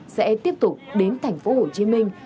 sẽ tiếp tục đến thành phố hồ chí minh